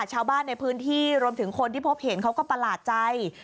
ชาวบ้านในพื้นที่รวมถึงคนที่พบเห็นเขาก็ประหลาดใจ